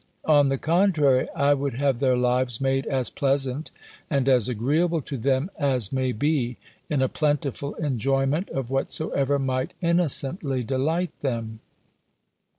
On the contrary, I would have their lives made as pleasant and as agreeable to them as may be, in a plentiful enjoyment of whatsoever might innocently delight them."